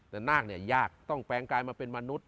แต่นาคเนี่ยยากต้องแปลงกลายมาเป็นมนุษย